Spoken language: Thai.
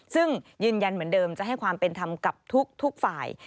ซึ่งยืนยันเหมือนเดิมจะให้ความเป็นธรรมกับทุกฝ่าย